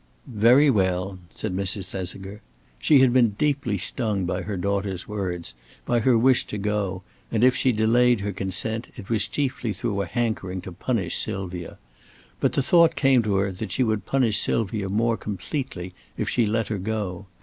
"Very well," said Mrs. Thesiger. She had been deeply stung by her daughter's words, by her wish to go, and if she delayed her consent, it was chiefly through a hankering to punish Sylvia. But the thought came to her that she would punish Sylvia more completely if she let her go.